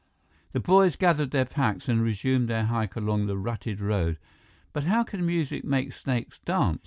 The boys gathered their packs and resumed their hike along the rutted road. "But how can music make snakes dance?"